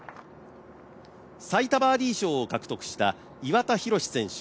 最多バーディー賞を獲得した岩田寛選手